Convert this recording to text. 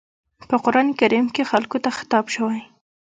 په قرآن کريم کې خلکو ته خطاب شوی.